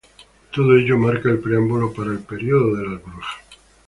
Todo ello marca el preámbulo para ""El período de las brujas"".